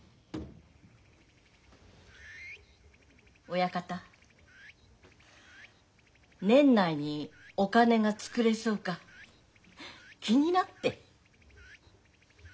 親方年内にお金が作れそうか気になって。